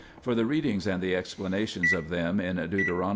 For the readings and the explanations of them in Deut.